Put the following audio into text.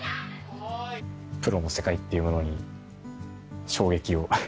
プロの世界っていうものに衝撃を受けました